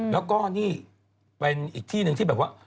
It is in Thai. แล้วก็นี่เป็นอีกที่หนึ่งที่แบบว่า